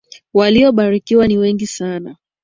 Waliobarikiwa ni wengi sana.